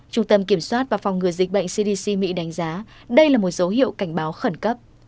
trung tâm kiểm soát và phòng ngừa dịch bệnh cdc mỹ đánh giá đây là một dấu hiệu cảnh báo khẩn cấp